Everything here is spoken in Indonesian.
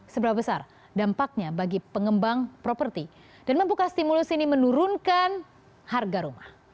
seberapa besar dampaknya bagi pengembang properti dan membuka stimulus ini menurunkan harga rumah